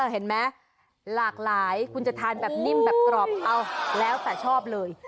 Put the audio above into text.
เห็นไหมหลากหลายคุณจะทานแบบนิ่มแบบกรอบเอาแล้วแต่ชอบเลย